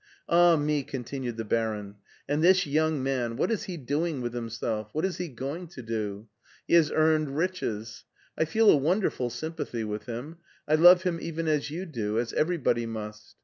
" Ah me !" continued the baron ;" and this young man, what is he doing with himself, what is he going to do! He has earned riches. I feel a wonderful sympathy with him. I love him even as you do, as everybody must.